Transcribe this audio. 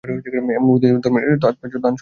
এদের বুদ্ধিতে ধর্মের তাৎপর্য দানসংগ্রহ।